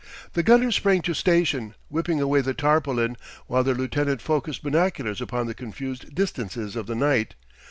The gunners sprang to station, whipping away the tarpaulin, while their lieutenant focussed binoculars upon the confused distances of the night.